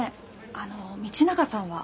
あの道永さんは。